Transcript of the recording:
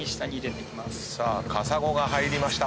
さあカサゴが入りました。